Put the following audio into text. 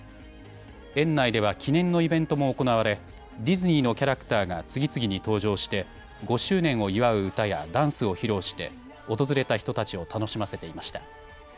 園内では記念のイベントも行われディズニーのキャラクターが次々に登場して５周年を祝う歌やダンスを披露して訪れた人たちを楽しませていました。